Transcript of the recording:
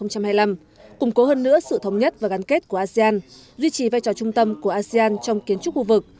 củng cố hơn nữa sự thống nhất và gắn kết của asean duy trì vai trò trung tâm của asean trong kiến trúc khu vực